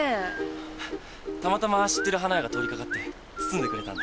たまたま知ってる花屋が通りかかって包んでくれたんだ。